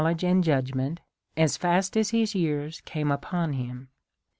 181 ledge and judgment as fast as his years came upon him.